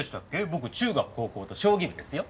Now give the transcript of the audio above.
僕中学高校と将棋部ですよ。